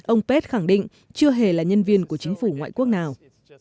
ông ped khẳng định chưa hề là nhân viên của chính phủ ngoại quốc nào